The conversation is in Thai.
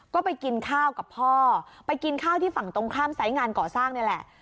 ก็ไปกินข้าวกับพ่อไปกินข้าวที่ฝั่งตรงข้ามไซส์งานก่อสร้างนี่แหละ